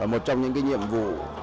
một trong những nhiệm vụ